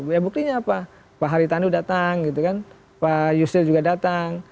ya buktinya apa pak haritanu datang gitu kan pak yusril juga datang